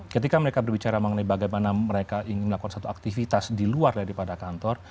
ketika mereka berbicara mengenai bagaimana mereka ingin melakukan satu aktivitas di luar daripada kantor